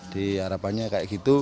di harapannya kayak gitu